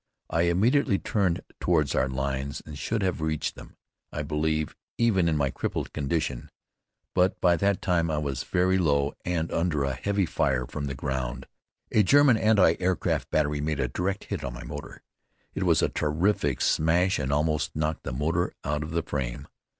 I immediately turned toward our lines and should have reached them, I believe, even in my crippled condition; but by that time I was very low and under a heavy fire from the ground. A German anti air craft battery made a direct hit on my motor. It was a terrific smash and almost knocked the motor out of the frame.